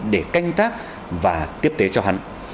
để canh tác và tiếp tế cho hắn